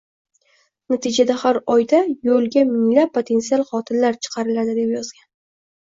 Natijada har oyda yo‘lga minglab "potensial qotillar" chiqariladi" deb yozgan